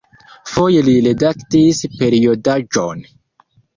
Foje li redaktis periodaĵon.